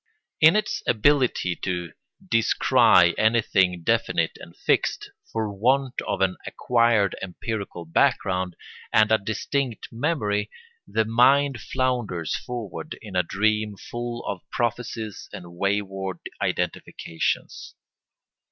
In its inability to descry anything definite and fixed, for want of an acquired empirical background and a distinct memory, the mind flounders forward in a dream full of prophecies and wayward identifications.